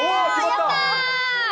やったー！